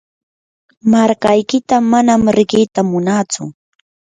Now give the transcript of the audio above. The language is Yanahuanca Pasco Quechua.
markaykita manam riqita munatsu.